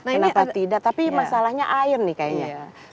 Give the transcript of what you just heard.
kenapa tidak tapi masalahnya air nih kayaknya